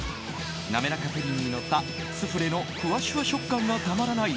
なめらかプリンに乗ったスフレのふわしゅわ食感がたまらない